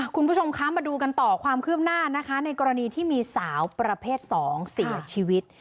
คุณผู้ชมคะมาดูกันต่อความคืบหน้านะคะในกรณีที่มีสาวประเภท๒เสียชีวิต